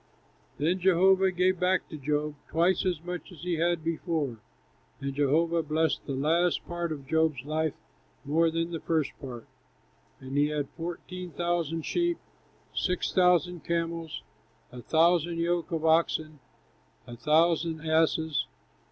Then Jehovah gave back to Job, twice as much as he had before. And Jehovah blessed the last part of Job's life more than the first part; and he had fourteen thousand sheep, six thousand camels, a thousand yoke of oxen, and a thousand asses.